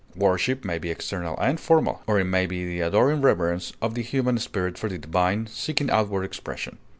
Worship may be external and formal, or it may be the adoring reverence of the human spirit for the divine, seeking outward expression.